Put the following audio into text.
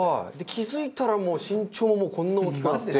気付いたらもう身長もこんな大きくなって。